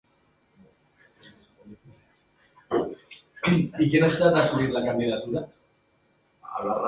I quin estat ha assolit la candidatura?